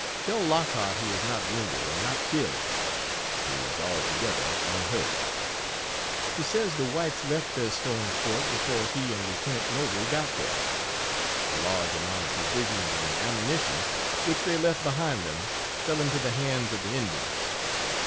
Tell Lockhart he is not wounded and not killed is altogether unhurt. He says the whites left their stone fort before he and Lieut. Noble got there. A large amount of provisions and ammunition, which they left behind them, fell into the hands of the Indians.